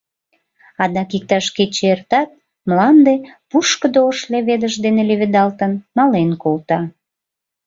Адак иктаж кече эртат, мланде, пушкыдо ош леведыш дене леведалтын, мален колта.